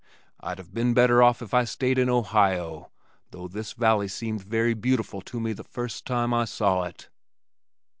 I'd have been better off had I stayed in Ohio, though this valley seemed very beautiful to me the first time I saw it."